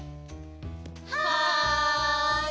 はい！